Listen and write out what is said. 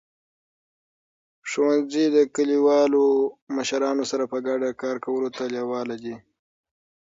ښوونځي د کلیوالو مشرانو سره په ګډه کار کولو ته لیواله دي.